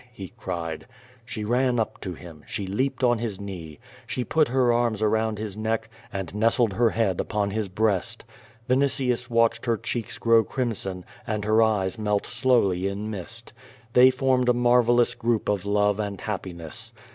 he cried. She ran up to him. She leaped on his knee. She put her arms around his neck, and nestled her head upon his breast. Vinitius watched her checks grow crimson, and her eyes melt slowly in mist. They formed a marvellous group of love and happiness.